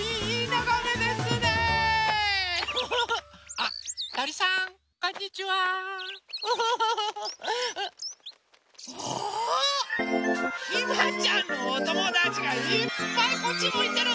あひまちゃんのおともだちがいっぱいこっちむいてる。